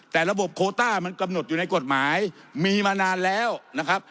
แต่ระบบโคต้ามันกำหนดอยู่ในกฎหมายมีมานานแล้วนะครับ